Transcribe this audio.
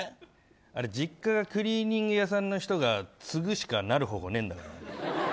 実家がクリーニング屋さんの人が継ぐしかなる方法ないんだから。